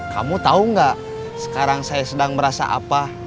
kamu tau gak sekarang saya sedang merasa apa